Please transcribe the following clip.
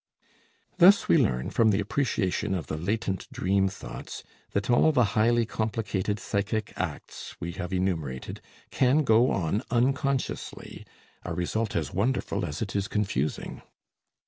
Thus we learn, from the appreciation of the latent dream thoughts, that all the highly complicated psychic acts we have enumerated can go on unconsciously, a result as wonderful as it is confusing.